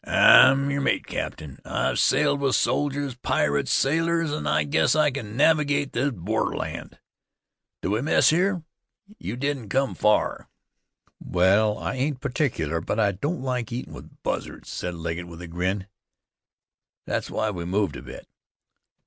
"I'm yer mate, cap'n. I've sailed with soldiers, pirates, sailors, an' I guess I can navigate this borderland. Do we mess here? You didn't come far." "Wal, I ain't pertikuler, but I don't like eatin' with buzzards," said Legget, with a grin. "Thet's why we moved a bit."